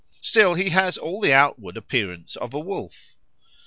Still he has all the outward appearance of a wolf.